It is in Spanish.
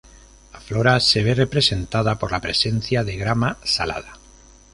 La flora se ve representada por la presencia de grama salada.